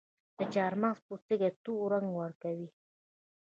د چارمغز پوستکي تور رنګ ورکوي.